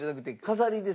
飾り。